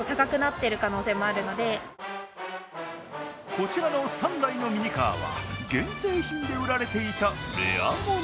こちらの３台のミニカーは限定品で売られていたレアもの。